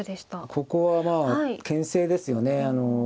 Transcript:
ここはまあけん制ですよね。